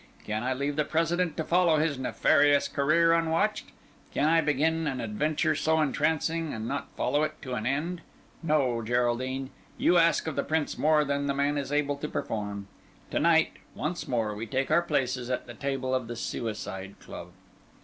Can I leave the President to follow his nefarious career unwatched? Can I begin an adventure so entrancing, and not follow it to an end? No, Geraldine: you ask of the Prince more than the man is able to perform. To night, once more, we take our places at the table of the Suicide Club."